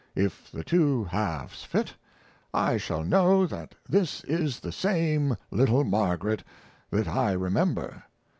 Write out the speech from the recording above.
If the two halves fit, I shall know that this is the same little Margaret that I remember."